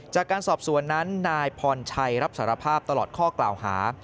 จากการสอบสวนนั้นนายพรชัยรับสารภาพตลอดข้อกล่าวหา